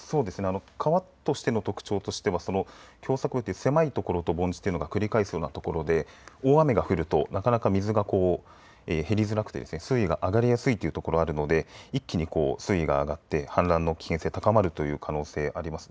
川としての特徴としては狭さく部といって狭い所と盆地が繰り返すような所で大雨が降るとなかなか水が減りづらくて水位が上がりやすいというところがあるので水位が上がって氾濫の危険性が高まる可能性があります。